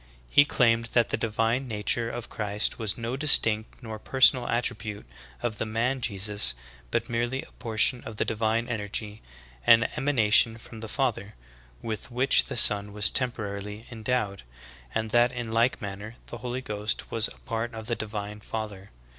He claimed that the divine nature of Christ was no distinct nor personal attribute of the man Jesus, but mere ly a portion of the divine energy, an emanation from the Father, with which the Son was temporarily endowed; and that in like manner the Holy Ghost was a part of the divine Father.